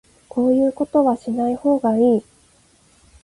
こういうことはしない方がいい